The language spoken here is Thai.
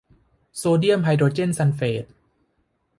โซเดียมไฮโดรเจนซัลเฟต